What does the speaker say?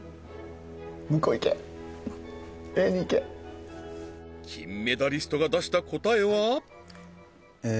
向こう行けＡに行け金メダリストが出した答えは？ええー